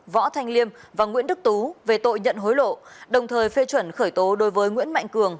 võ thanh liêm và nguyễn đức tú về tội nhận hối lộ đồng thời phê chuẩn khởi tố đối với nguyễn mạnh cường